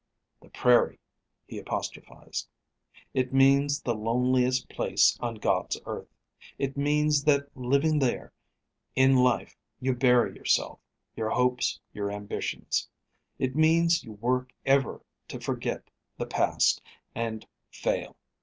"The prairie!" he apostrophized. "It means the loneliest place on God's earth. It means that living there, in life you bury yourself, your hopes, your ambitions. It means you work ever to forget the past and fail.